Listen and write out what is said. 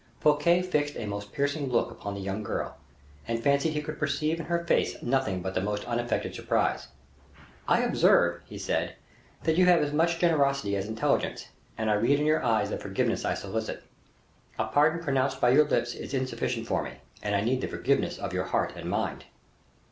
Fouquet fixed a most piercing look upon the young girl, and fancied he could perceive in her face nothing but the most unaffected surprise. "I observe," he said, "that you have as much generosity as intelligence, and I read in your eyes the forgiveness I solicit. A pardon pronounced by your lips is insufficient for me, and I need the forgiveness of your heart and mind."